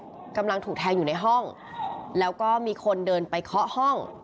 กำลังถูกแทงอยู่ในห้องแล้วก็มีคนเดินไปเคาะห้อง